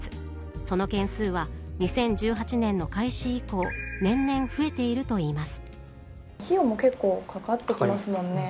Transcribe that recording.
その件数は、２０１８年の開始以降、年々増えているといいます。